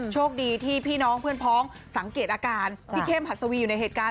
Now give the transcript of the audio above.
โชคดีที่พี่น้องเพื่อนพ้องสังเกตอาการพี่เข้มหัสวีอยู่ในเหตุการณ์